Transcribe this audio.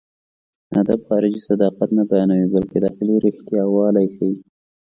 ادب خارجي صداقت نه بيانوي، بلکې داخلي رښتياوالی ښيي.